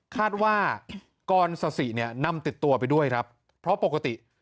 คาดว่ากรสสิเนี่ยนำติดตัวไปด้วยครับเพราะปกติ